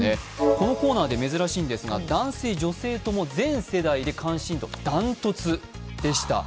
このコーナーでは珍しいんですが男性女性とも全世代で関心度ダントツでした。